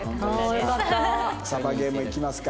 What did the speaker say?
サバゲーも行きますか？